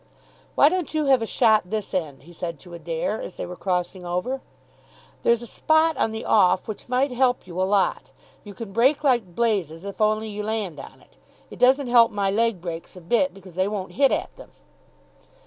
"Why don't you have a shot this end?" he said to Adair, as they were crossing over. "There's a spot on the off which might help you a lot. You can break like blazes if only you land on it. It doesn't help my leg breaks a bit, because they won't hit at them."